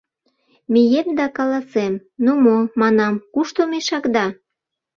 — Мием да каласем: ну мо, манам, кушто мешакда?